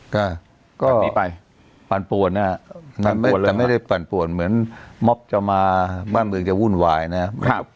ก็ปั่นปวนแต่ไม่ได้ปั่นปวนเหมือนม๊อบจะมาบ้านเมืองจะวุ่นวายนะครับ